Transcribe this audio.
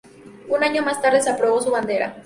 Un año más tarde se aprobó su bandera.